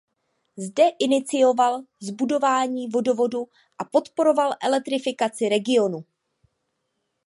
Zde inicioval zbudování vodovodu a podporoval elektrifikaci regionu.